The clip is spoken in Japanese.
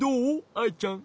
アイちゃん。